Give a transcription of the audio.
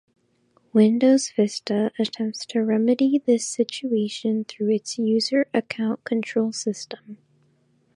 Windows Vista attempts to remedy this situation through its User Account Control system.